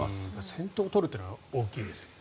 先頭を取るというのは大きいですね。